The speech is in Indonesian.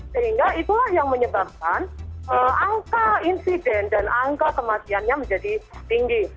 sehingga itulah yang menyebabkan angka insiden dan angka kematiannya menjadi tinggi